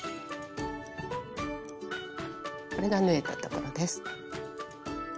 これが縫えたところです。